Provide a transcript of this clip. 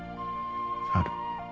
ある。